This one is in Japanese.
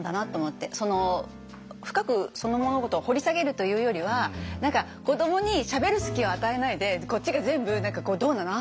深くその物事を掘り下げるというよりは何か子どもにしゃべる隙を与えないでこっちが全部何かこう「どうなの？